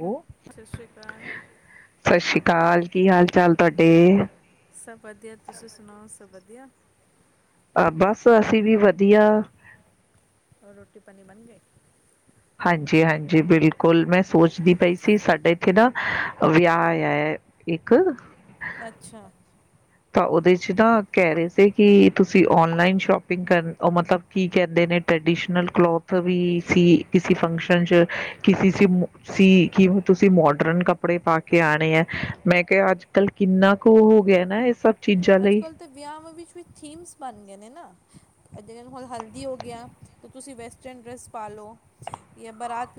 ਸਤਿ ਸ਼੍ਰੀ ਅਕਾਲ ਸਤਿ ਸ਼੍ਰੀ ਅਕਾਲ ਕੀ ਹਾਲ ਚਾਲ ਤੋਡੇ। ਸਭ ਵਧੀਆ ਤੁਸੀਂ ਸੁਣਾਓ ਸਬ ਵਧੀਆ। ਬਸ ਅਸੀਂ ਵੀ ਵਧੀਆ। ਰੋਟੀ ਪਾਨੀ ਬੰਨਗੇ। ਹਾਂਜੀ ਹਾਂਜੀ ਬਿਲਕੁਲ ਮੈਂ ਸੋਚਦੀ ਪਈ ਸੀ ਸਾਡੇ ਅੱਛਾ! ਤਾਂ ਓਦੇ ਚਧਾ ਕੈ ਰੇ ਸੀ ਕਿ ਤੁਸੀਂ ਔਨਲਾਈਨ ਸੌ਼ਪਿੰਗ ਕਰਨ ਮਤਲਬ ਕੀ ਕੈਂਦੇ ਨੇ ਟਰਡੀਸ਼ਨਲ ਕਲੋਥ ਵੀ ਸੀ ਕਿਸੇ ਫੰਕਸ਼ਨ ਚ ਕਿ ਸੀ ਕਿ ਹੁਣ ਤੁਸੀਂ ਮੌਡਰਨ ਕੱਪੜੇ ਪਾ ਕੇ ਆਣੇ ਐ ਮੈਂ ਕੇਆ ਅੱਜ ਕੱਲ ਕਿੰਨਾ ਕੁ ਹੋ ਗਿਐ ਨਾ ਸਭ ਚੀਜ਼ਾਂ ਅੱਜ ਲਈ ਕੱਲ ਤੇ ਵੇਆਂਵਾ ਵਿਚ ਥੀਂਮਸ ਬਣ ਗਏ ਨੇ ਨਾ ਏਨੂੰ ਹੁਣ ਹਲਦੀ ਹੋ ਗਿਆ ਤੁਸੀਂ ਵੈਸਟਰਨ ਡਰੈਸ ਪਾਲੋ ਬਰਾਤ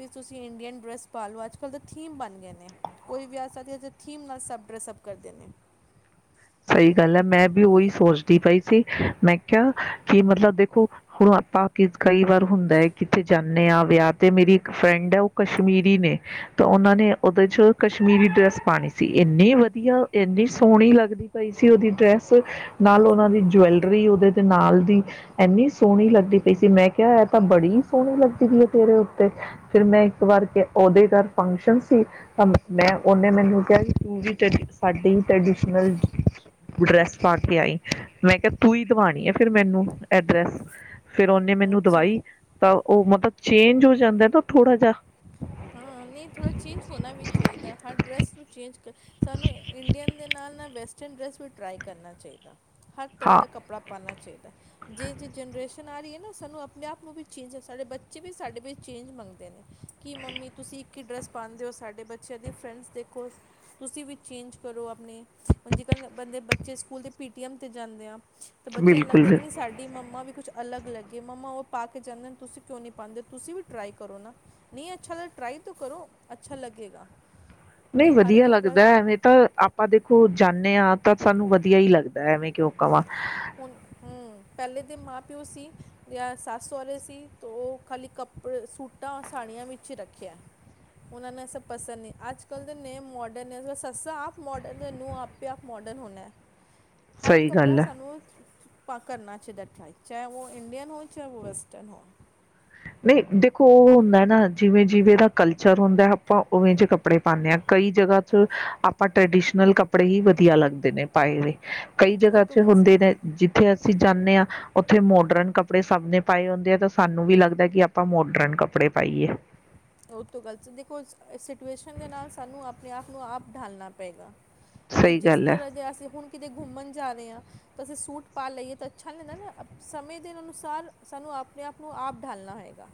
ਸਈ ਗੱਲ ਐ ਮੈਂ ਵੀ ਓਈ ਸੋਚਦੀ ਪਈ ਸੀ ਮੈਂ ਕੇਆ ਕੀ ਮਤਲਬ ਦੇਖੋ ਹੁਣ ਆਪਾਂ ਕਈ ਵਾਰ ਹੁੰਦਾ ਕਿਥੇ ਜਾਨੇ ਆ ਵਿਆਹ ਤੇ ਮੇਰੀ ਇੱਕ ਫਰੈਂਡ ਆ ਓ ਕਸ਼ਮੀਰੀ ਨੇ ਤਾਂ ਓਨਾਂ ਨੇ ਉਦੇ ਚ ਕਸ਼ਮੀਰੀ ਡਰੈਸ ਪਾਣੀ ਸੀ ਏਂਨੀ ਵਧੀਆ ਏਂਨੀ ਸੋਹਣੀ ਲੱਗਦੀ ਪਈ ਸੀ ਓਦੀ ਡਰੈਸ ਨਾਲ ਓਨਾਂ ਦੀ ਜੁਐਲਰੀ ਓਦੇ ਤੇ ਨਾਲ ਦੀ ਐਨੀ ਸੋਣੀ ਲੱਗਦੀ ਪਈ ਸੀ ਮੈਂ ਕੇਆ ਐ ਤਾਂ ਬੜੀ-ਫਿਰ ਮੈਂ ਇੱਕ ਵਾਰ ਓਦੇ ਹੀ ਘਰ ਫੰਕਸ਼ਨ ਸੀ-ਮੈਂ ਓਨੇ ਮੈਨੂੰ ਡਰੈਸ ਪਾ ਕੇ ਆਈ ਮੈਂ ਕੇਆ ਤੂੰ ਈ ਧਵਾਣੀ ਐ ਫਿਰ ਮੈਨੂੰ ਐਡਰੈਸ ਫਿਰ ਓਨੇ ਮੈਨੂੰ ਅੱਛਾ ਦਵਾਈ ਤਾਂ ਓ ਮਤਲਬ ਚੇਂਜ ਹੋ ਜਾਂਦਾ ਤਾਂ ਥੋੜ੍ਹਾ ਜਾ। ਹਾਂ ਨਈ ਥੋੜਾ ਚੇਂਜ ਹੋਨਾ ਵੀ ਚਾਈਦਾ, ਹਰ ਡਰੈੱਸ ਨੂੰ ਚੇਂਜ ਸਾਨੂੰ ਇੰਡੀਅਨ ਦੇ ਨਾਲ-ਨਾਲ ਵੈਸਟਰਨ ਡਰੈੱਸ ਵੀ ਟਰਾਈ ਕਰਨਾ ਚਾਈਦਾ। ਹਰ ਤਰ੍ਹਾ ਹਾਂ ਦਾ ਕੱਪੜਾ ਪਾਨਾ ਚਾਈਦਾ। ਜੇ ਜ ਜਨਰੇਸ਼ਨ ਆ ਰਈ ਏ। ਸਾਨੂੰ ਅਪਨੇ ਆਪ ਨੂੰ ਵੀ ਚੇਂਜ, ਸਾਡੇ ਬੱਚੇ ਵੀ ਸਾਡੇ ਵੀ ਚੇਂਜ ਮੰਗਦੇ ਨੇ ਕਿ ਮੰਮੀ ਤੁਸੀਂ ਇੱਕ ਹੀ ਡਰੈਸ ਪਾਂਦੇ ਓ ਸਾਡੇ ਬੱਚਿਆਂ ਦੀ ਫਰੈਂਡਸ ਦੇਖੋ, ਤੁਸੀਂ ਵੀ ਚੇਂਜ ਕਰੋ ਆਪਨੇ ਹੁਨ ਜੇਕਰ ਬੰਦੇ ਬੱਚੇ ਸਕੂਲ ਦੇ ਪੀ ਟੀ ਐੱਮ 'ਤੇ ਜਾਂਦੇ ਆ। ਤੇ ਬੱਚਿਆਂ ਨੂੰ ਲੱਗਦਾ ਬਿਲਕੁਲ ਕਿ ਨਹੀਂ ਸਾਡੀ ਮੰਮਾ ਵੀ ਕੁਛ ਅਲੱਗ ਲੱਗੇ ਮੰਮਾ ਓ ਪਾ ਕੇ ਜਾਂਾਹਦੇ ਤੁਸੀਂ ਕਿਉਂ ਨਹੀਂ ਪਾਂਦੇ ਤੁਸੀਂ ਵੀ ਟਰਾਈ ਕਰੋ ਨਾ, ਨਹੀਂ ਅੱਛਾੱ ਟਰਾਈ ਤੋਂ ਕਰੋ, ਅੱਛਾ ਲੱਗੇਗਾ। ਨਈ ਨਹੀਂ ਹਰ ਵਦੀਆ ਕੱਪੜਾ ਲੱਗਦਾ, ਐਵੇ ਤਾਂ ਆਪਾਂ ਦੇਖੋ ਜਾਨੇ ਆ। ਤਾ ਸਾਨੂੰ ਵਦੀਆ ਈ ਲੱਗਦਾ ਐਵੇਂ ਕਿਓ ਕਵਾਂ। ਹੁਨ, ਹੂੰ ਪਹਿਲੇ ਦੇ ਮਾਂ-ਪਿਓ ਸੀ ਯਾਂ ਸੱਸ ਸੋਰੇ ਸੀ ਤੋਂ ਖਾਲੀ ਕੱਪੜੇ ਸੂਟਾਂ, ਸਾੜੀਆਂ ਵਿੱਚ ਹੀ ਰੱਖਿਆ, ਉਨਾ ਨੂੰ ਏ ਸਬ ਪਸੰਦ ਨਈ, ਅੱਜ-ਕੱਲ ਦੇ ਨੇ ਮੋਡਨ ਨੇ ਸੱਸਾਂ ਆਪ ਮੋਡਨ ਨੇ ਨੂੰ ਆਪੇ ਆਪ ਮੋਡਨ ਹੋਨਾ। ਹਰ ਸਹੀ ਕੱਪੜਾ ਗੱਲ ਹੈ ਸਾਨੂੰ ਕਰਨਾ ਚਾਹੀਦਾ ਟਰਾਈ, ਚਾਏ ਓ ਇੰਡੀਅਨ ਹੋ ਚਾਹੇ ਓ ਵੈਸਟਰਨ ਹੋ। ਨਹੀਂ, ਦੇਖੋ ਓਹ ਹੁੰਦਾ ਨਾ ਜਿਵੇਂ ਜਿਵੇਂ ਦਾ ਕਲਚਰ ਹੁੰਦਾ ਅੱਪਾ ਓਵੇਂ ਜਏ ਕੱਪੜੇ ਪਾਨੇ ਆ, ਕਈ ਜਗਾ ਚ ਆਪਾਂ ਟੈਰਡੀਸ਼ਨਲ ਕੱਪੜੇ ਹੀ ਵਧੀਆ ਲੱਗਦੇ ਨੇ ਪਾਏ ਵੇ। ਕਈ ਉਹ ਜਗ੍ਹਾ ਤੋਂ ਚ ਗਲਤ ਹੈ ਹੁੰਦੇ ਨੇ, ਜਿੱਥੇ ਅਸੀਂ ਜਾਨੇ ਆ ਓੱਥੇ ਮੋਡਰਨ ਕੱਪੜੇ ਸਬ ਨੇ ਪਾਏ ਹੁੰਦੇ ਆ ਤਾਂ ਸਾਨੂੰ ਵੀ ਲੱਗਦਾ ਕਿ ਆਪਾਂ ਮੋਡਰਨ ਕੱਪੜੇ ਪਾਈਏ। ਉਹ ਤੋਂ ਗਲਤ ਦੇਖੋ ਸਿਚੁਏਸ਼ਨ ਦੇ ਨਾਲ ਸਾਨੂੰ ਆਪਣੇ ਆਪ ਨੂੰ ਆਪ ਢਾਲਣਾ ਪਏਗਾ ਕਿ ਸਹੀ ਜਿਸ ਗੱਲ ਹੈ ਤਰ੍ਹਾਂ ਜੇ ਅਸੀਂ ਹੁਣ ਕਿਤੇ ਘੁੰਮਣ ਜਾ ਰਹੇ ਹਾਂ ਤਾਂ ਅਸੀਂ ਸੂਟ ਪਾ ਲਈਏ ਤਾਂ ਅੱਛਾ ਨਹੀਂ ਨਾ, ਸਮੇਂ ਦੇ ਅਨੁਸਾਰ ਸਾਨੂੰ ਆਪਣੇ ਆਪ ਨੂੰ ਆਪ ਡਾਲਣਾ ਹੈਗਾ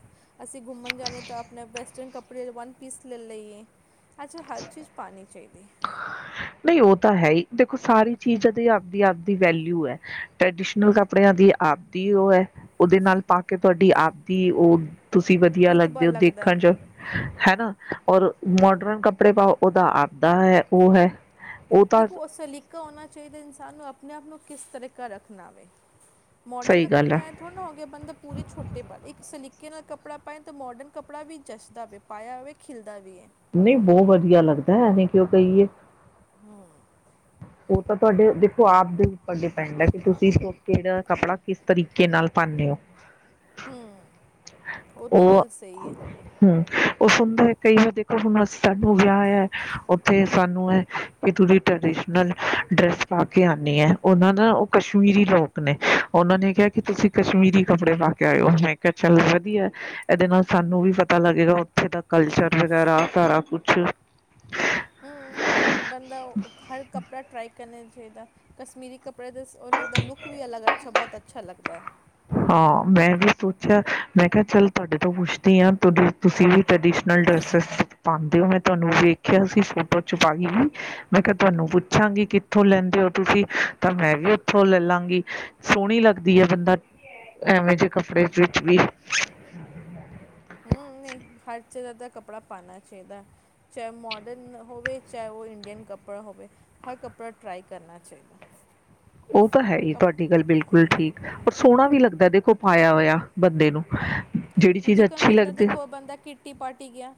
ਅਸੀਂ ਗੁੰਮਣ ਜਾ ਰਹੇ ਹਾਂ ਤਾਂ ਆਪ ਆਪਣੇ ਵੈਸਟਰਨ ਕਪੜੇ ਵਨ ਪੀਸ ਲੈ ਲਈਏ ਅੱਜਾ ਹਰ ਚੀਜ਼ ਪਾਣੀ ਚਾਹੀਦੀ ਉਹ ਤਾਂ ਹੈ ਹੀ ਦੇਖੋ ਸਾਰੀ ਚੀਜ਼ਾਂ ਦੇ ਆਪਦੀ ਆਪਦੀ ਵੈਲਿਊ ਹੈ ਟ੍ਰਡੀਸ਼ਨਲ ਕੱਪੜਿਆਂ ਦੀ ਆਪਦੀ ਉਹ ਐ, ਉਹਦੇ ਨਾਲ ਪਾ ਕੇ ਤੁਹਾਡੀ ਆਪਦੀ ਉਹ ਤੁਸੀਂ ਵਧੀਆ ਰੁਤਬਾ ਲੱਗਦੇ ਔ ਲੱਗਦਾ ਦੇਖਣ ਚ ਹਨਾ, ਔਰ ਮੋਡਰਨ ਕੱਪੜੇ ਪਾਉ, ਉਹਦਾ ਆਪਦਾ ਹੈ ਉਹ ਹੈ ਦੇਖੋ ਉਹ ਸਲੀਕ ਕਾ ਹੋਣਾ ਚਾਹੀਦਾ ਇਨਸਾਨ ਨੂੰ ਆਪਣੇ ਆਪ ਨੂੰ ਕਿਸ ਤਰੀਕਾ ਰੱਖਣਾ ਵੇ ਮੋਡਰਨ ਸਹੀ ਦਾ ਗੱਲ ਕਪੜਾ ਹੈ ਐ ਥੋੜ੍ਹਾ ਹੋ ਗਿਆ ਬੰਦਾ ਪੂਰੇ ਛੋਟੇ ਪ [unintelligible] ਇੱਕ ਸਿਲ ਕੇ ਨਾਲ ਕੱਪੜਾ ਪਏਣ ਤਾਂ ਮੋਡਨ ਕੱਪੜਾ ਵੀ ਜੱਚਦਾ ਵੀ ਪਾਇਆ ਹੋਵੇ ਖਿਲਦਾ ਵੀ ਹੈ ਨਹੀਂ ਬਹੁਤ ਵਧੀਆ ਲੱਗਦਾ ਐਵੇਂ ਕਿਉ ਕਹੀਏ ਹਮ ਉਹ ਤਾਂ ਤੁਹਾਡੇ ਦੇਖੋ ਆਪ ਦੇ ਉੱਪਰ ਡਿਪੈਂਡ ਹੈ ਕਿ ਤੁਸੀਂ ਕਿਹੜਾ ਕੱਪੜਾ ਕਿਸ ਤਰੀਕੇ ਨਾਲ ਪਾਨੇ ਹੋ ਹਮ ਉਹ ਤੋ ਗੱਲ ਸਹੀ ਹੈ ਹੂੰ ਉਹ ਸੁਣਦਾ ਕਈ ਵਾਰ ਦੇਖੋ ਹੁਣ ਸਾਨੂੰ ਵਿਆਹ ਹੈ ਉੱਥੇ ਸਾਨੂੰ ਹੈ ਕਿ ਫੁਲੀ ਟਰਡੀਸ਼ਨ ਨਾਲ ਡਰੈਸ ਪਾ ਕੇ ਆਨੀ ਐ ਉਹਨਾਂ ਨਾ ਉਹ ਕਸ਼ਮੀਰੀ ਲੋਕ ਨੇ ਉਹਨਾਂ ਨੇ ਕਿਹਾ ਕਿ ਤੁਸੀਂ ਕਸ਼ਮੀਰੀ ਕੱਪੜੇ ਪਾ ਕੇ ਆਇਓ ਮੈਂ ਕਿਹਾ ਚੱਲ ਵਧੀਆ ਇਹਦੇ ਨਾਲ ਸਾਨੂੰ ਵੀ ਪਤਾ ਲੱਗੇਗਾ ਉੱਥੇ ਦਾ ਕਲਚਰ ਵਗੈਰਾ ਸਾਰਾ ਕੁਛ ਹਮ ਬੰਦਾ ਹਰ ਕੱਪੜਾ ਟਰਾਈ ਕਰਨੇ ਚ ਚਾਹੀਦਾ ਕਸਸਮੀਰੀ ਕੱਪੜੇ ਦੇ ਲੁੱਕ ਵੀ ਲੱਗ ਅੱਛਾ ਬਹੁਤ ਅੱਛਾ ਲੱਗਦੈ ਹਾਂ, ਮੈਂ ਵੀ ਸੋਚਿਆ। ਮੈਂ ਕਿਹਾ ਚਲ ਤੁਹਾਡੇ ਤੋਂ ਪੁੱਛਦੀ ਆਂ, ਤੁਸੀਂ ਵੀ ਟਰੈਡੀਸ਼ਨਲ ਡਰੈਸਜ ਪਾਂਦੇ ਹੋ। ਮੈਂ ਤੁਹਾਨੂੰ ਵੇਖਿਆ ਸੀ ਫੋਟੋ ਚ ਪਾਈ ਹੋਈ। ਮੈਂ ਕਿਹਾ ਤੁਹਾਨੂੰ ਪੁੱਛਾਂਗੀ, ਕਿੱਥੋਂ ਲੈਂਦੇ ਹੋ ਤੁਸੀਂ ਤਾਂ ਮੈਂ ਵੀ ਉੱਥੋਂ ਲੈ ਲਾਂਗੀ, ਸੋਹਣੀ ਲੱਗਦੀ ਹੈ ਬੰਦਾ ਐਵੇਂ ਜੇ ਕੱਪੜੇ ਵਿੱਚ ਵੀ ਹੂੰ ਨਹੀਂ ਹਰ ਜਗਾ ਦਾ ਕੱਪੜਾ ਪਾਣਾ ਚਾਹੀਦਾ। ਚਾਹੇ ਉਹ ਮੋਡਰਨ ਹੋਵੇ, ਚਾਹੇ ਉਹ ਇੰਡੀਅਨ ਕੱਪੜਾ ਹੋਵੇ, ਹਰ ਕੱਪੜਾ ਟਰਾਈ ਕਰਨਾ ਚਾਹੀਦਾ। ਉ ਤਾ ਹੈ ਈ ਕੱਪ ਤੁਹਾਡੀ ਗੱਲ ਬਿਲਕੁਲ ਠੀਕ, ਉ ਸੋਹਣਾ ਵੀ ਲੱਗਦਾ ਦੇਖੋ ਪਾਇਆ ਹੋਇਆ ਬੰਦੇ ਨੂੰ ਜਿਹੜੀ ਹੁਣ ਚੀਜ਼ ਜਿਕਨ ਅੱਛੀ ਬੰਦਾ ਲੱਗਦੀ ਦੇਖੋ ਬੰਦਾ ਕਿੱਟੀ ਪਾਰਟੀ ਗਿਆ,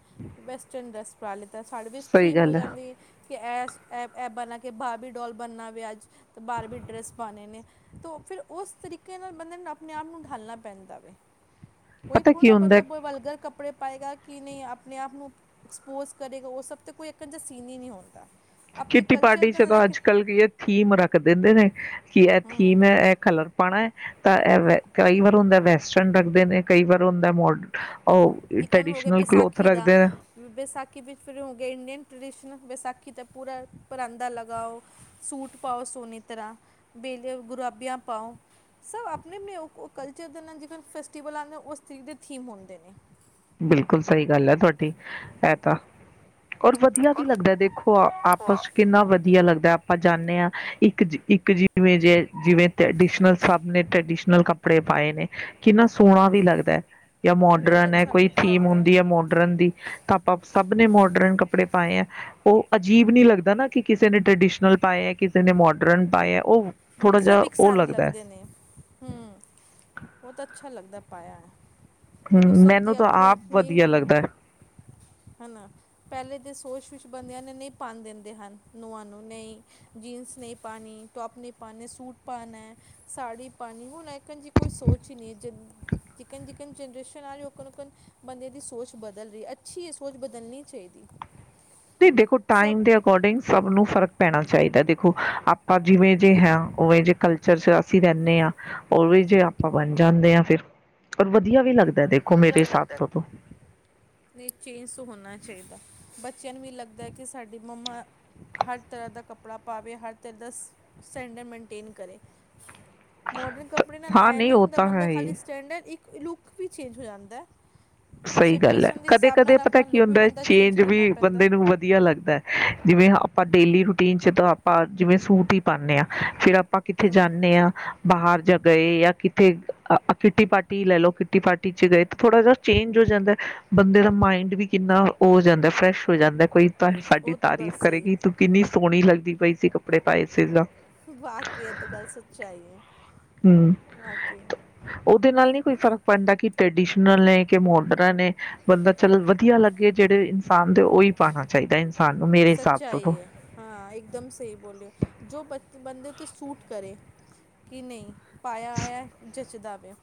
ਵੈਸਟਰਨ ਡਰੈਸ [unintelligible] ਤਾਂ ਸਾਡੇ ਚ ਸਹੀ ਥੀਮ ਹੋ ਗੱਲ ਹੈ ਜਾਂਦੀ ਏ ਕਿ ਐਸ ਐ ਐ ਪਾਨਾ ਕਿ ਬਾਬੀ ਡੋਲ ਬਣਨਾ ਵੇ ਅੱਜ ਤੇ ਬਾਰਬੀ ਡਰੈਸ ਪਾਨੇ ਨੇ ਤੋ ਫਿਰ ਉਸ ਤਰੀਕੇ ਨਾਲ ਬੰਦੇ ਨੂੰ ਆਪਣੇ ਆਪ ਨੂੰ ਡਾਹਲਣਾ ਪੈਂਦਾ ਵੇ ਕੋਈ ਪਤਾ ਥੋੜੀ ਕੀ ਨਾ ਹੁੰਦਾ ਬੰਦਾ ਹੈ, ਬ ਵਲਗਰ ਕੱਪੜੇ ਪਾਏਗਾ ਕਿ ਨੀ ਆਪਣੇ ਆਪ ਨੂੰ ਐਕਸਪੋਜ਼ ਕਰੇਗਾ। ਓ ਸਭ ਤੇ ਕੋਈ ਏਕਨ ਜੇਆ ਸੀਨ ਹੀ ਨੀ ਹੋਂਦਾ। ਕਿੱਟੀ ਪਾਟੀ ਚ ਤਾਂ ਅੱਜ ਕੱਲ੍ਹ ਕੀ ਏ ਥੀਮ ਰੱਖ ਦਿੰਦੇ ਨੇ ਕੀ ਐ ਥੀਮ ਐ ਐ ਕਲਰ ਪਾਣਾ ਐ ਤਾਂ ਐਂਵੈ ਕਈ ਵਾਰ ਹੁੰਦਾ ਵੈ ਸਨ ਰੱਖਦੇ ਨੇ ਕਈ ਵਾਰ ਹੁੰਦਾ ਮੋਡ ਉਹ ਜੇਕਨੂੰ ਹੋ ਗਏ ਟਰਡੀਸ਼ਨਲ ਕਲੋਥ ਬੇਸਾਖੀ ਦਾ, ਰੱਖਦੇ ਨੇ ਬੇਸਾਖੀ ਵਿੱਚ ਫਿਰ ਹੋ ਗਏ ਇੰਡੀਅਨ ਟਰੀਸ਼ਨ ਵਿਸਾਖ [unintelligible] ਕਿਤੇ ਪੂਰਾ ਪਰਾਂਦਾ ਲਗਾਓ, ਸੂਟ ਪਾਓ, ਸੋਣੀ ਤਰ੍ਹਾਂ ਬਿਹਲੇ ਗੁਰਾਬੀਆਂ ਪਾਓ। ਸਭ ਆਪਣੇ-ਆਪਣੇ ਓ ਕਲਚਰ ਦੇ ਨਾਲ ਜਿਕਰ ਫੈਸਟੀਵਲ ਆਂਦੈ ਉਸ ਤ ਦੇ ਥੀਮ ਹੁੰਦੇ ਨੇ। ਬਿਲਕੁਲ ਸਹੀ ਗੱਲ ਐ ਤੁਹਾਡ [unintelligible] ਔਰ ਵਧੀਆ ਵੀ ਲੱਗਦੈ ਦੇਖੋ ਆਪਸ ਚ ਕਿੰਨਾ ਵਧੀਆ ਲੱਗਦ ਆਪਾਂ ਜਾਨੇ ਆਂ। ਇੱਕ-ਇੱਕ ਜਿਵੇਂ ਜੇ ਜਿਵੇਂ ਟਰਡੀਸ਼ਨਲ ਸਭ ਨੇ ਟਰਡੀਸ਼ਨਲ ਕੱਪੜੇ ਪਾਏ ਨੇ, ਕਿੰਨਾ ਸੋਣਾ ਵੀ ਲੱਗਦੈ। ਯਾ ਬਹੁਤ ਮੋਡਰਨ ਐ ਅੱਛਾ ਕੋਈ ਲੁੱਕ ਥੀਮ ਲੱਗਦਾ ਹੈ। ਹੁੰਦੀ ਐ ਮੋਡਰਨ ਦੀ ਤਾਂ ਆਪਾਂ ਸਭ ਨੇ ਮੋਡਰਨ ਕੱਪੜੇ ਪਾਏ ਐ ਓ ਅਜੀਬ ਨੀ ਲੱਗਦਾ ਨਾ ਕਿ ਕਿਸੇ ਨੇ ਟ੍ਰਡੀਸ਼ਨਲ ਪਾਇਐ, ਕਿਸੇ ਨੇ ਮੋਡਰਨ ਪਾਇਆ। ਹੰਮ ਸਭ ਇੱਕ ਸਾਰੇ ਲੱਗਦੇ ਨੇ, ਹੰਮ ਬੋਤ ਅੱਛਾ ਲੱਗਦਾ ਪਾਇਆ ਐ। ਹਮ, ਦੇਖੋ ਸਭ ਮੈਨੂੰ ਦੀ ਤਾਂ ਆਪ ਅਪਨੀ-ਅਪਨੀ ਵਧੀਆ ਹੰ, ਲੱਗਦਾ ਹੇਨਾ ਪੈਲੇ ਦੀ ਸੋਚ ਵਿਚ ਬੰਦਿਆਂ ਨੇ ਨਈ ਪਾਣ ਦਿੰਦੇ ਹਨ ਨੂਆਂ ਨੂੰ, ਨਈ ਜਿਨਸ ਨਈ ਪਾਣੀ, ਟੋਪ ਨਈ ਪਾਨੇ ਸੂਟ ਪਾਨੈ, ਸਾੜੀ ਪਾਣੀ ਹੁਣ ਏਕਨ-ਜੀ ਕੋਈ ਸੋਚ ਨਈ ਏ। ਜਿਕਨ-ਜਿਕਨ ਜਨਰੇਸ਼ਨ ਆ ਰਹੀ ਹੈ ਓਕਨ-ਓਕਨ ਬੰਦੇ ਦੀ ਸੋਚ ਬਦਲ ਰੀ ਏ। ਅੱਛੀ ਏ ਸੋਚ ਬਦਲਨੀ ਚੈਦੀਏ। ਤੇ ਦੇਖੋ ਟਾਈਮ ਦੇ ਅਕੋਰਡਿੰਗ ਸਭ ਨੂੰ ਫਰਕ ਪੈਣਾ ਚਾਹੀਦੈ ਦੇਖੋ, ਆਪਾਂ ਜਿਵੇਂ ਜਿਹੇ ਹਾਂ ਉਵੇਂ ਜੇ ਕਲਚਰ ਚ ਅਸੀਂ ਰਹਨੇ ਹਾਂ ਉਵੇ ਜਿਹੇ ਆਪਾਂ ਬਣ ਜਾਂਦੇ ਹਾਂ ਫਿਰ ਓਰ ਵਧੀਆ ਵੀ ਲੱਗ ਵਧੀਆ ਵੀ ਲੱਗਦਾ ਐ ਨਹੀਂ ਚੇਂਜ ਤੋ ਹੋਣਾ ਚਾਹੀਦਾ ਬੱਚਿਆਂ ਨੂੰ ਵੀ ਲੱਗਦਾ ਕਿ ਸਾਡੀ ਮੰਮਾ ਹਰ ਤਰ੍ਹਾਂ ਦਾ ਕੱਪੜਾ ਪਾਵੇ, ਹਰ ਤਰ੍ਹਾਂ ਦਾ ਸਟੈਂਡਰਡ ਮੇਨਟੇਨ ਕਰੇ ਮੋਡਰਨ ਕੱਪੜੇ ਨਾਲ ਹਾਂ ਐ ਨਹੀਂ ਨੀ ਉਹ ਹੁੰਦਾ ਤਾਂ ਬੰਦਾ ਹੈ ਹੀ ਖਾਲੀ ਸਟੈਂਡਰ ਇੱਕ ਲੂਕ ਵਿੱਚ ਚੇਂਜ ਹੋ ਜਾਂਦੈ ਸਹੀ ਗੱਲ ਏ, ਕਦੇ ਕਦੇ ਪਤਾ ਕੀ ਲੁੱਕ ਵੀ ਹੁੰਦਾ ਬੰਦਾ ਚੇਂਜ ਕਰਨਾ ਵੀ ਪੈਂਦਾ ਬੰਦੇ ਨੂੰ ਹੈ। ਵਧੀਆ ਲੱਗਦੈ। ਜਿਵੇਂ ਆਪਾਂ ਡੇਲੀ ਰੂਟੀਨ ਚ ਤਾਂ ਆਪਾਂ ਜਿਵੇਂ ਸੂਟ ਈ ਪਾਨੇ ਹਾਂ ਫਿਰ ਆ ਆਪਾਂ ਕਿੱਥੇ ਜਾੱਨੈ ਆ ਬਾਹਰ ਜਾ ਗਏ ਯਾ ਤੇ ਕਿੱਟੀ ਪਾਰਟੀ ਲੈ ਲਓ ਕਿੱਟੀ ਪਾਰਟੀ ਚ ਗਏ ਤੇ ਥੋੜਾ ਜਾ ਚੇਂਜ ਹੋ ਜਾਂਦਾ ਏ ਬੰਦੇ ਦਾ ਮਾਇੰਡ ਵੀ ਕਿੰਨਾ ਓ ਜਾਂਦਾ ਫਰੈਸ਼ ਹੋ ਜਾਂਦਾ ਕੋਈ ਤਾਂ ਹਿ ਸਾਡੀ ਉਹ ਤਾਂ ਗੱਲ ਤਾਰੀਫ਼ ਸਹੀ ਕਰੇਗੀ, ਤੂੰ ਕਿੰਨੀ ਸੋਹਣੀ ਲੱਗਦੀ ਪਈ ਸੀ ਕੱਪੜੇ ਪਾਏ ਸੀ ਤਾਂ ਬਾਕੀ ਇਹ ਤਾਂ ਗੱਲ ਸੱਚਾਈ ਏ। ਹਮ ਉਹਦੇ ਨਾਲ ਨੀ ਕੋਈ ਫ਼ਰਕ ਪੈਂਦਾ ਕਿ ਟਰਡੀਸ਼ਨ ਨਾਲੇ ਏ ਕਿ ਮੋਡਰਨ ਏ, ਬੰਦਾ ਚੱਲ ਵਧੀਆ ਲੱਗੇ ਜਿਹੜੇ ਇਨਸਾਨ ਦੇ ਉਹੀ ਪਾਉਣਾ ਚਾਹੀਦਾ। ਇਨਸਾਨ ਨੂੰ ਮੇਰੇ ਹਿਸਾਬ ਤੋਂ ਸੱਚਾਈ ਤਾਂ ਐ ਹਾਂ ਇੱਕਦਮ ਸਹੀ ਬੋਲੇ ਔ ਜੋ ਬੰਦੇ ਉੱਤੇ ਸੂਟ ਕਰੇ ਕਿ ਨਹੀਂ ਪਾਇਆ ਆਇਆ ਜਚਦਾ ਪਿਆ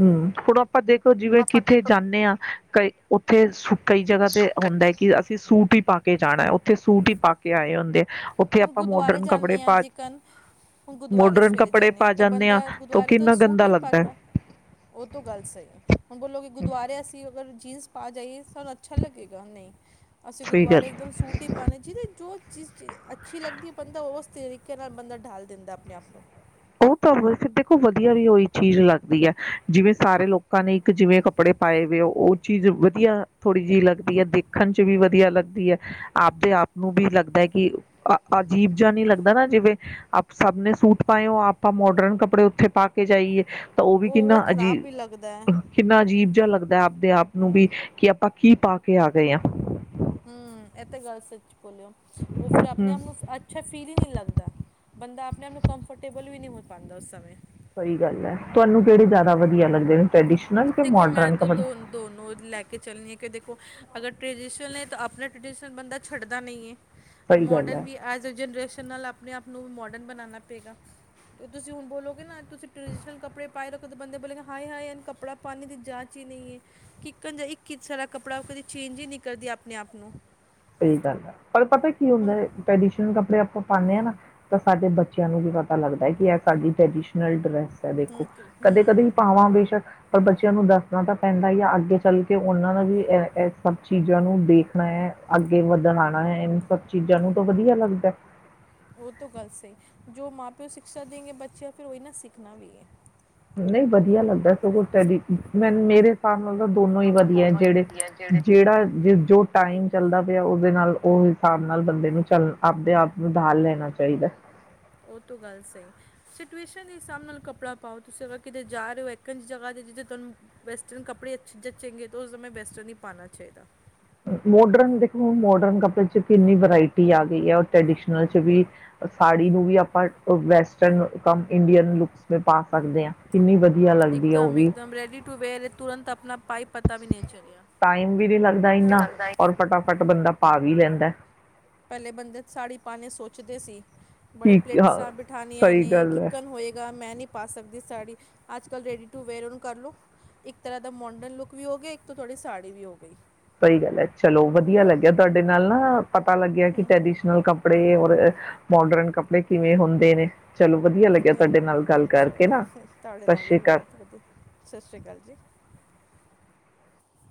ਹਮ ਆਪਾਂ ਦੇਖੋ ਜਿਵੇਂ ਆਪਾਂ ਕਿੱਥੇ ਦੇਖੋ ਜਾਂਨੇ ਆਂ ਕ ਉੱਥੇ ਕਈ ਜਗ੍ਹਾ ਤੇ ਸੁੱਕੇ ਹੁੰਦਾ ਐ ਕਿ ਅਸੀਂ ਸੂਟ ਹੀ ਪਾ ਕੇ ਕੇ ਜਾਣਾ ਉੱਥੇ ਸੂਟ ਹੀ ਪਾ ਕੇ ਆਏ ਹੁੰਦੇ ਉੱਥੇ ਹੁਣ ਆਪਾਂ ਗੁਦੁਆਰੇ ਮੋਡਰਨ ਕੱਪੜੇ ਜਾਂਨੇ ਆਂ ਪਾ ਜਿਕਨ ਹੁਣ ਗੁਦੁਆਰੇ ਮੋਡਰਨ ਸਵੇਰੇ ਕੱਪੜੇ ਜਾਂਨੇ ਆਂ ਪਾ ਤਾਂ ਜਾਂਦੇ ਹਾਂ ਬੰਦਾ ਤਾਂ ਉਹ ਗੁਦੁਆਰੇ ਤੋਂ ਕਿੰਨਾ ਸੂਟ ਗੰਦਾ ਵੀ ਪਾ ਕੇ ਲੱਗਦਾ ਉਹ ਤੋਂ ਗੱਲ ਸਹੀ ਹੈ ਹੁਣ ਬੋਲੋ ਕਿ ਗੁਦੁਆਰੇ ਅਸੀਂ ਅਗਰ ਜੀਨਸ ਪਾ ਜਾਈਏ ਸਾਨੂੰ ਅੱਛਾ ਲੱਗੇਗਾ ਨਹੀਂ। ਅਸੀਂ ਸਹੀ ਗੱਲ ਗੁਦੁਆਰੇ ਇੱਕਦਮ ਸੂਟ ਹੀ ਪਾਣੇ ਚਾਹੀਦੇ ਜੋ ਚੀਜ਼ [unintelligible] ਅੱਛੀ ਲੱਗਦੀ ਹੈ ਬੰਦਾ ਉਹ ਉਸ ਤਰੀਕੇ ਨਾਲ ਬੰਦਾ ਡਾਲ ਦਿੰਦਾ ਆਪਣੇ ਆਪ ਨੂੰ ਉਹ ਤਾਂ ਦੇਖੋ ਵਧੀਆ ਵੀ ਉਹੀ ਚੀਜ਼ ਲੱਗਦੀ ਐ ਜਿਵੇਂ ਸਾਰੇ ਲੋਕਾਂ ਨੇ ਇੱਕ ਜਿਵੇਂ ਕੱਪੜੇ ਪਾਏ ਵਏ ਹੋ ਉਹ ਚੀਜ਼ ਵਧੀਆ ਥੋੜ੍ਹੀ ਜਿਹੀ ਲੱਗਦੀ ਹੈ ਦੇਖਣ ਚ ਵੀ ਵਧੀਆ ਲੱਗਦੀ ਹੈ ਆਪਦੇ ਆਪ ਨੂੰ ਵੀ ਲੱਗਦੈ ਕਿ ਅਜੀਬ ਜਿਹਾ ਨਹੀਂ ਲੱਗਦਾ ਨਾ ਜਿਵੇਂ ਆਪ ਸਭ ਨੇ ਸੂਟ ਪਾਏ ਹੋ ਆਪ ਆਪਾਂ ਮੋਡਰਨ ਕੱਪੜੇ ਉੱਥੇ ਪਾ ਕੇ ਜਾਈਏ ਤਾਂ ਉਹ ਵੀ ਹੋਰ ਕਿੰਨਾ ਅਜੀ ਖ਼ਰਾਬ ਵੀ ਲੱਗਦਾ ਹੈ ਕਿੰਨਾ ਅਜੀਬ ਜਿਹਾ ਲੱਗਦਾ [unintelligible] ਦੇ ਆਪ ਨੂੰ ਹਾਂ ਵੀ ਕਿ ਆਪਾਂ ਕੀ ਪਾ ਕੇ ਆ ਗਏ ਆ ਹਮ ਇਹ ਤੇ ਗੱਲ ਸੱਚ ਲ ਉਹ ਫਿਰ ਆਪਣੇ ਹਮ ਆਪ ਨੂੰ ਅੱਛਾ ਫੀਲ ਹੀ ਨਹੀਂ ਲੱਗਦਾ ਬੰਦਾ ਆਪ ਮੈਨੂੰ ਕੰਫਰਟੇਬਲ ਵੀ ਨਹੀਂ ਹੋ ਪਾਉਂਦਾ ਉਸ ਸਮੇਂ ਸਹੀ ਗੱਲ ਹੈ ਤੁਹਾਨੂੰ ਕਿਹੜੇ ਜ਼ਿਆਦਾ ਵਧੀਆ ਲੱਗਦੇ ਨੇ ਟ੍ਰਡੀਸ਼ਨਲ ਕਿ ਦੇਖੋ ਮੈਂ ਮੋਡਰਨ ਤਾਂ ਕੱਪੜੇ ਦੋ ਦੋਨੋ ਲੈ ਕੇ ਚੱਲਣੀ ਆ ਕਿ ਦੇਖੋ ਅਗਰ ਟਰਡੀਸ਼ਨਲ ਹੈ ਤਾਂ ਆਪਣਾ ਟਰਡੀਸ਼ਨ ਬੰਦਾ ਛੱਡਦਾ ਨਹੀਂ ਹੈ। ਸਹੀ ਗੱਲ ਮੋਡਰਨ ਹੈ ਵੀ ਆ ਐਜ਼ ਏ ਜਨਰੇਸ਼ਨ ਨਾਲ ਆਪਣੇ ਆਪ ਨੂੰ ਮੋਡਰਨ ਬਣਾਣਾ ਪਏਗਾ ਅਤੇ ਤੁਸੀਂ ਹੁਣ ਬੋਲੋਗੇ ਨਾ ਤੁਸੀਂ ਟਰਡੀਸ਼ਨਲ ਕੱਪੜੇ ਪਾਏ ਰਓ ਤਾਂ ਬੰਦੇ ਬੋਲਗੇ ਹਾਏ ਹਏ ਐਨੂੰ ਕੱਪੜਾ ਪਾਨੇ ਦੀ ਜਾਂਚ ਹੀ ਨਹੀਂ ਹੈ। ਕਿਕਨ ਇੱਕ ਹੀ ਸਾਰਾ ਕੱਪੜਾ ਕਦੇ ਚੇਂਜ ਹੀ ਨਹੀਂ ਕਰਦੀ ਆਪਣੇ ਆਪ ਨੂੰ ਸਹੀ ਗੱਲ ਆ ਪਰ ਪਤਾ ਕੀ ਹੁੰਦਾ ਹੁਣ ਹੈ ਟ੍ਰੈਡੀਸ਼ਨਲ ਕੱਪੜੇ ਆਪਾਂ ਪਾਨੇ ਆਂ ਨਾ ਤਾਂ ਸਾਡੇ ਬੱਚਿਆਂ ਨੂੰ ਵੀ ਪਤਾ ਲੱਗਦਾ ਐ ਕਿ ਇਹ ਸਾਡੀ ਟਰੈਡੀਸ਼ਨਲ ਡਰੈਸ ਦੇਖੋ ਹੁਣ ਕ- ਹਮ, ਕਦੇ ਕਦੇ ਪਾਵਾਂ ਬੇਸ਼ੱਕ ਪਰ ਬੱਚਿਆਂ ਨੂੰ ਦੱਸਣਾ ਤਾਂ ਪੈਂਦਾ ਹੀ ਆ ਅੱਗੇ ਚੱਲ ਕੇ ਉਹਨਾਂ ਦਾ ਵੀ ਇਹ ਸਭ ਚੀਜ਼ਾਂ ਨੂੰ ਦੇਖਣਾ ਹੈ ਅੱਗੇ ਵਧਣ ਆਣਾ ਹੈ ਇਹਨ ਸਭ ਚੀਜ਼ਾਂ ਨੂੰ ਤਾਂ ਵਧੀਆ ਲੱਗਦਾ ਉਹ ਤਾਂ ਗੱਲ ਸਹੀ ਜੋ ਮਾਂ ਪਿਓ ਸਿਕਸ਼ਾ ਦੇਂਗੇ ਬੱਚਿਆਂ ਫਿਰ ਉਹੀ ਨਾ ਸਿੱਖਣਾ ਵੀ ਐ ਨਈਂ ਵਧੀਆ ਲੱਗਦੈ ਸਗੋਂ ਟਰਡੀਸ਼ਨ, ਮੈਨ ਮੇਰੇ ਹੇਸਾਬ ਨਾਲ ਤਾਂ ਦੋਨੋਂ ਈ ਮਤਲਬ ਵਧੀਆ ਦੋਨੋਂ ਜੇਹੜੇ ਹੀ ਹੈ ਜਿਹੜੇ ਜੇਹੜਾ ਜੋ ਟਾਈਮ ਚੱਲਦਾ ਪੇਆ ਓਦੇ ਨਾਲ ਓ ਹਿਸਾਬ ਨਾਲ ਬੰਦੇ ਨੂੰ ਚੱਲ ਆਪ ਉ ਤੋਂ ਗੱਲ ਸਈ ਸਟਓਏਸ਼ਨ ਦੇ ਹਿਸਾਬ ਨਾਲ ਕੱਪੜਾ ਪਾਓ ਤੁਸੀਂ ਕਿਤੇ ਜਾ ਰਹੇ ਹੋ ਏਕਨ ਜੀ ਜਗਾ ਮੋਡਰਨ ਦੇਖੋ ਹੁਣ ਮੋਡਰਨ ਕੱਪੜੇ ਚ ਕਿੰਨੀ ਵਰਾਇਟੀ ਆ ਗਈ ਐ ਟ੍ਰੈਡੀਸ਼ਨਲ ਚ ਵੀ, ਸਾੜੀ ਨੂੰ ਵੀ ਆਪਾਂ ਵੈਸਟਨ ਕੰਮ ਇੰਡੀਅਨ ਲੁੱਕਸ ਪਾ ਸਕਦੇ ਆਂ ਕਿੰਨੀ ਵੀ ਵਧੀਆ ਲੱਗਦੀ ਹੈ ਉਹ ਇੱਕਦਮ ਇੱਕਦਮ ਰੈਡੀ ਟੂ ਵੇਅਰ ਏ ਤੁਰੰਤ ਆਪਣਾ ਪਾਈਪ ਟਾਈਮ ਵੀ ਨੀ ਲੱਗਦਾ ਤੇ ਇੰਨਾ ਲੱਗਦਾ ਹੈ ਔਰ ਫਟਾਫਟ ਬੰਦਾ ਪਾ ਵੀ ਲੈਂਦੈ। ਪੈਲੇ ਬੰਦੇ ਸਾੜੀ ਪਾਣੇ ਸੋਚਦੇ ਸੀ। ਬੜੇ ਠੀਕ ਹਾਂ ਪਲੇਟਸਾਂ ਬਿਠਾਨੀਆਂ ਸਹੀ ਨੇ ਗੱਲ ਹੈ ਕਿਕਨ ਹੋਏਗਾ ਮੈਨੀ ਪਾ ਸਕਦੀ ਸਾੜੀ। ਅੱਜ ਕੱਲ ਰੈਡੀ ਟੂ ਵੇਅਰ ਓਨੂੰ ਕਰ ਲੋ। ਇੱਕ ਤਰ੍ਹਾਂ ਦਾ ਮੋਂਡਨ ਲੁੱਕ ਵੀ ਓ ਗਈ, ਇੱਕ ਤੋਂ ਤੋਡੀ ਸਾੜੀ ਵੀ ਓ ਗਈ। ਸਈ ਗੱਲ ਐ। ਚਲੋ ਵਧੀਆ ਲੱਗਿਆ ਬਹੁਤ ਤੁਆਡੇ ਨਾਲ ਨਾ ਪਤਾ ਲੱਗਿਆ ਕਿ ਹਮ ਟੈਡੀਸ਼ਨਲ ਕੱਪੜੇ ਔਰ ਮੋਡਰਨ ਕੱਪੜੇ ਕਿਵੇਂ ਹੁੰਦੇ ਨੇ। ਚਲੋ ਵਧੀਆ ਹਂ ਲੱਗਿਆ ਨੇ, ਤੁਹਾਡੇ ਨਾਲ ਗੱਲ ਕਰਕੇ ਨਾ ਅੱਛਾ ਤੋਡੇ ਸਤਿ ਨਾਲ ਵੀ ਸ਼੍ਰੀ ਅਕਾਲ ਬੋਤ ਵਧੀਆ ਸਤਿ ਸ਼੍ਰੀ ਅਕਾਲ ਜੀ।